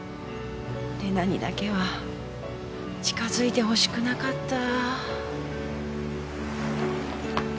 玲奈にだけは近づいてほしくなかった。